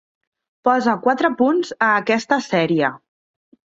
Posa quatre punts a aquesta sèrie